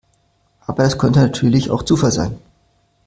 Aber das könnte natürlich auch Zufall sein.